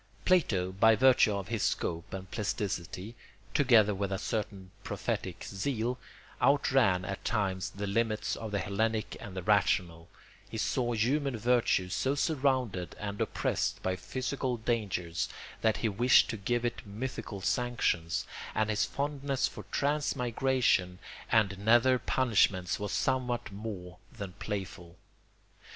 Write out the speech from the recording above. Plato, by virtue of his scope and plasticity, together with a certain prophetic zeal, outran at times the limits of the Hellenic and the rational; he saw human virtue so surrounded and oppressed by physical dangers that he wished to give it mythical sanctions, and his fondness for transmigration and nether punishments was somewhat more than playful.